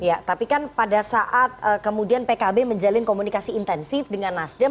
ya tapi kan pada saat kemudian pkb menjalin komunikasi intensif dengan nasdem